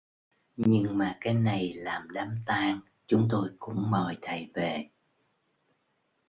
Nhưng mà cái này làm đám tang chúng tôi cũng mời thầy về